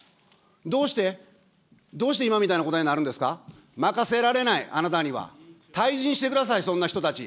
どうして、どうして今みたいな答えになるんですか、任せられない、あなたには。退陣してください、そんな人たち。